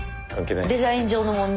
デザイン上の問題？